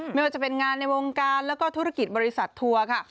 ไม่ว่าจะเป็นงานในวงการแล้วก็ธุรกิจบริษัททัวร์ค่ะ